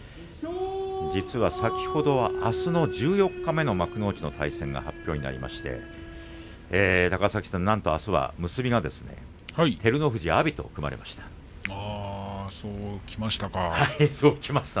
実は先ほど、あす十四日目の幕内の対戦が発表になりまして高崎さん、なんとあすは結びで照ノ富士と阿炎が組まれました。